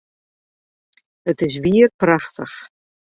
It is wier prachtich!